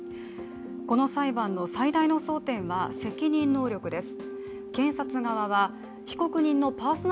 この裁判の最大の争点は責任能力です。